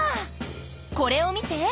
これを見て！